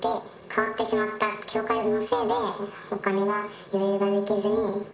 変わってしまった、教会のせいでお金に余裕ができずに。